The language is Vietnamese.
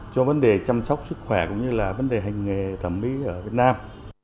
cho vấn đề chăm sóc sức khỏe cũng như là vấn đề hành nghề thẩm mỹ ở việt nam